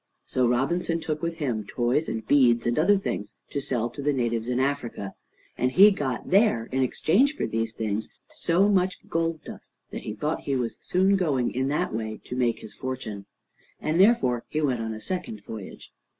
So Robinson took with him toys, and beads, and other things, to sell to the natives in Africa, and he got there, in exchange for these things, so much gold dust that he thought he was soon going in that way to make his fortune. And therefore he went on a second voyage.